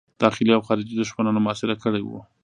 داخلي او خارجي دښمنانو محاصره کړی وو.